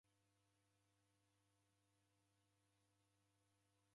Itanaa kuende kuoghe